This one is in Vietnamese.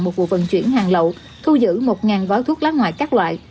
một vụ vận chuyển hàng lậu thu giữ một gói thuốc lá ngoại các loại